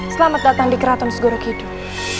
selamat datang di keraton segoro kidul